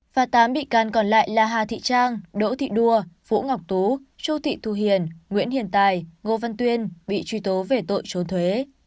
và tám bị can còn lại là hà thị trang đỗ thị đua vũ ngọc tú chu thị thu hiền nguyễn hiền tài ngô văn tuyên bị truy tố về tội trốn thuế